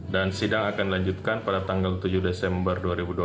dan sidang akan dilanjutkan pada tanggal tujuh desember dua ribu dua puluh